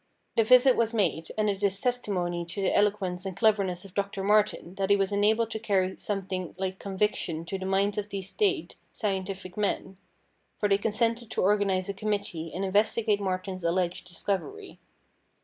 The visit was made, and it is testimony to the eloquence and cleverness of Doctor Martin that he was enabled to carry something like conviction to the minds of these staid, scientific men ; for they consented to organise a committee and investigate Martin's alleged discovery.